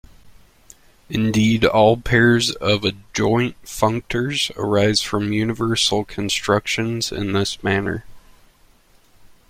Indeed, all pairs of adjoint functors arise from universal constructions in this manner.